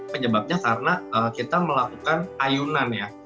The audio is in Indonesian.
penyebabnya karena kita melakukan ayunan ya